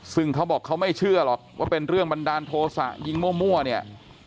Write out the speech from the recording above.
ซึ่งเขาบอกเขาไม่เชื่อหรอกว่าเป็นเรื่องบันดาลโทษะยิงมั่วเนี่ย